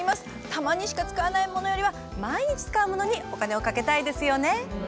たまにしか使わないものよりは毎日使うものにお金をかけたいですよね。